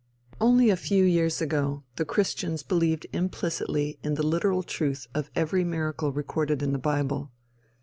Only a few years ago, the christians believed implicitly in the literal truth of every miracle recorded in the bible.